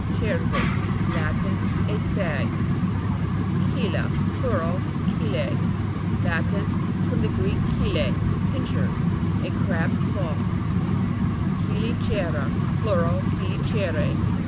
CER'VUS, Latin. A stag, CHELA. Plural, chelee. Latin. From the Greek, chele, pincers. A crab's claw, CHELI'CERA, Plural, cheliceree.